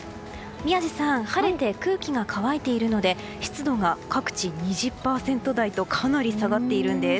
宮司さん晴れて空気が乾いているので湿度が各地２０％台とかなり下がっているんです。